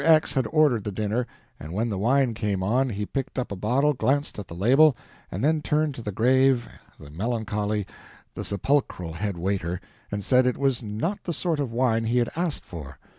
X had ordered the dinner, and when the wine came on, he picked up a bottle, glanced at the label, and then turned to the grave, the melancholy, the sepulchral head waiter and said it was not the sort of wine he had asked for.